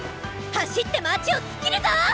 走って街を突っ切るぞ！